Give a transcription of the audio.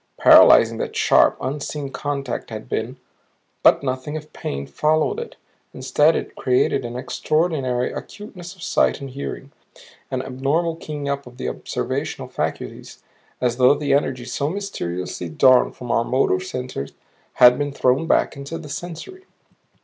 Paralyzing that sharp, unseen contact had been, but nothing of pain followed it. Instead it created an extraordinary acuteness of sight and hearing, an abnormal keying up of the observational faculties, as though the energy so mysteriously drawn from our motor centers had been thrown back into the sensory.